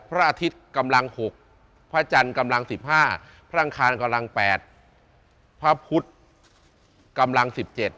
พระอาทิตย์กำลัง๖พระจันทร์กำลัง๑๕พระอังคารกำลัง๘พระพุทธกำลัง๑๗